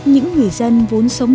những người dân vốn sống